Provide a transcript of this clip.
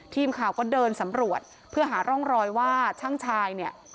ทีมข่าวก็เดินสำรวจเพื่อหาร่องรอยว่าช่างชายเนี่ย